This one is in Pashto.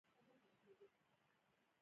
چې ساينس يې له بيانولو عاجز دی.